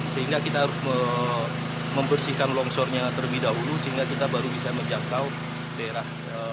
sehingga kita harus membersihkan longsornya terlebih dahulu sehingga kita baru bisa menjangkau daerah